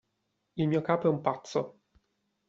Il mio capo è un pazzo